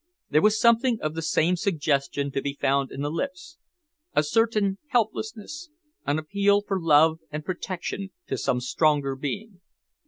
There was something of the same suggestion to be found in the lips, a certain helplessness, an appeal for love and protection to some stronger being.